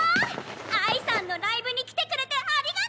愛さんのライブに来てくれてありがとう！